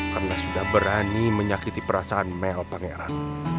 karena sudah berani menyakiti perasaan mel pangeran